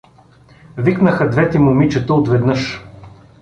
— викнаха двете момичета отведнъж.